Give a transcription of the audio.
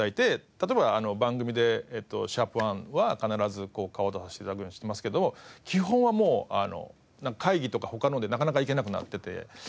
例えば番組で♯１は必ず顔出させて頂くようにしてますけど基本はもう会議とか他のでなかなか行けなくなってて。